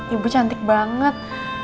ibu cantik banget